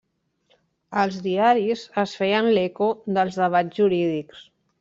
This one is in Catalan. Els diaris es feien l'eco dels debats jurídics.